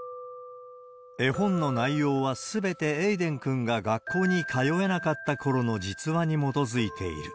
絵本の内容はすべてエイデン君が学校に通えなかったころの実話に基づいている。